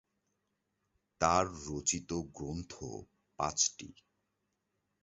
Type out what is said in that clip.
তাঁর রচিত গ্রন্থ পাঁচটি।